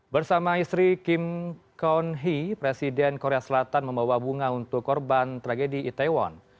bersama istri kim kon hee presiden korea selatan membawa bunga untuk korban tragedi itaewon